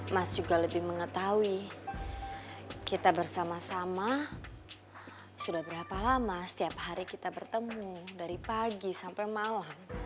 mas juga lebih mengetahui kita bersama sama sudah berapa lama setiap hari kita bertemu dari pagi sampai malam